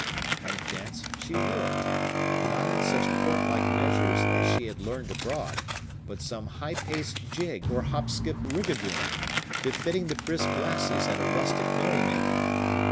—and dance she would, not in such court like measures as she had learned abroad, but some high paced jig, or hop skip rigadoon, befitting the brisk lasses at a rustic merry making.